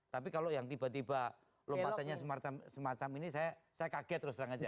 tapi kalau yang tiba tiba lompatannya semacam ini saya kaget terus terang aja